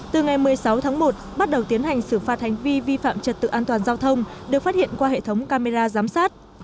từ ngày một mươi sáu tháng một bắt đầu tiến hành xử phạt hành vi vi phạm trật tự an toàn giao thông được phát hiện qua hệ thống camera giám sát